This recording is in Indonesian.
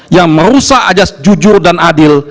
yang merusak ajas jujur dan adil